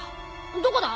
どこだ？